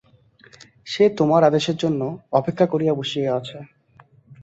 সে তোমার আদেশের জন্য অপেক্ষা করিয়া বসিয়া আছে।